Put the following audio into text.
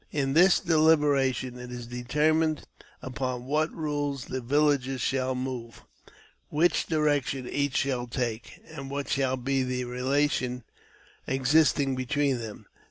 In this deliberation it is determined upon what rules the villages shall move, which direction each shall take, and what shall be the relations existing between them.